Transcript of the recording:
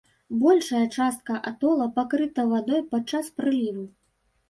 Большая частка атола пакрыта вадой падчас прыліву.